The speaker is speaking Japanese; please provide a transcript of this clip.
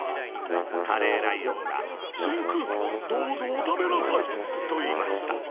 カレーライオンが「しんくん、どうぞおたべなさい。」と、いいました。